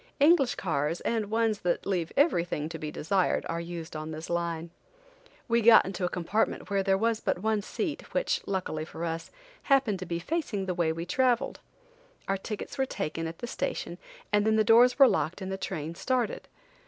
English cars, and ones that leave everything to be desired, are used on this line. We got into a compartment where there was but one seat, which, luckily for us, happened to be facing the way we traveled. Our tickets were taken at the station, and then the doors were locked and the train started.